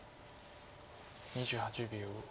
２８秒。